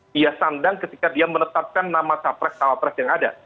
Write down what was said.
dia sandang ketika dia menetapkan nama capres cawapres yang ada